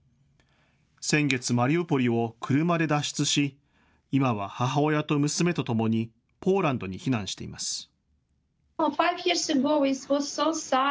先月、マリウポリを車で脱出し今は母親と娘とともにポーランドに避難しています。